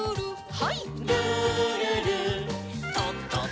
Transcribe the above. はい。